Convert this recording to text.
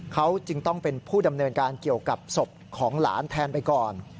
เขาจึงต้องเป็นผู้ดำเนินการเกี่ยวกับศพของหลานแทนไปก่อน